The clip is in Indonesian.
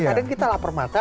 kadang kita lapar mata